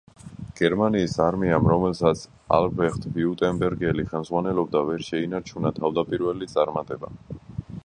გერმანიის არმიამ, რომელსაც ალბრეხტ ვიუტემბერგელი ხელმძღვანელობდა ვერ შეინარჩუნა თავდაპირველი წარმატება.